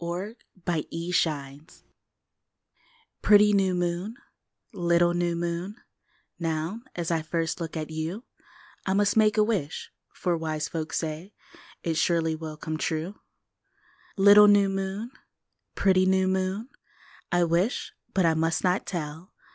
THE NEW MOON Pretty new moon, little new moon, Now, as first I look at you, I must make a wish, for wise folks Say it surely will come true! Little new moon, pretty new moon, I wish but I must not tell!